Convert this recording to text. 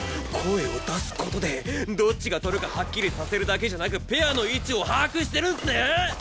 声を出す事でどっちが取るかはっきりさせるだけじゃなくペアの位置を把握してるんすね！？